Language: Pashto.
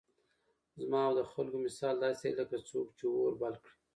زما او د خلكو مثال داسي دئ لكه څوك چي اور بل كړي